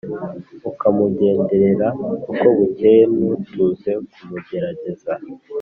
ukamugenderera uko bukeye, ntutuze kumugerageza’